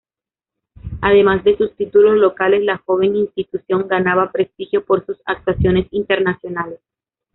Además de sus títulos locales, la joven institución ganaba prestigio por sus actuaciones internacionales.